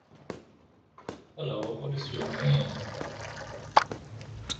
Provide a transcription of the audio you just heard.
This first proceeded at a slow pace, having little priority.